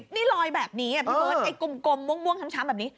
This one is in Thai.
นี่รอยแบบนี้ไอ้กลมม่วงช้ำแบบนี้